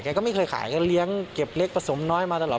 ไงก็ไม่เคยขายก็เก็บเล็กประสงค์น้อยมาตลอด